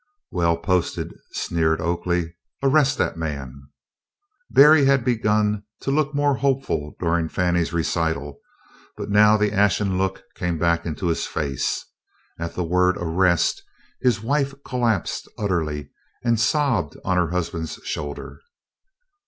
"Well posted," sneered Oakley. "Arrest that man." Berry had begun to look more hopeful during Fannie's recital, but now the ashen look came back into his face. At the word "arrest" his wife collapsed utterly, and sobbed on her husband's shoulder.